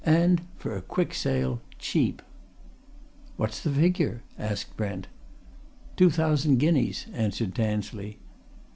And, for a quick sale, cheap." "What's the figure?" asked Brent. "Two thousand guineas," answered Tansley.